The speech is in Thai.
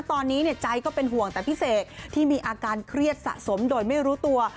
ตอนนี้ใจก็เป็นห่วงแต่พี่เสกที่มีอาการเครียดสะสมโดยไม่รู้ตัว